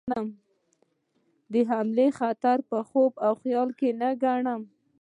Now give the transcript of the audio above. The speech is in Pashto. حملې خطر خوب او خیال نه ګڼم.